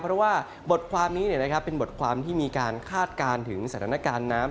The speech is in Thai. เพราะว่าบทความนี้เป็นบทความที่มีการคาดการณ์ถึงสถานการณ์น้ำ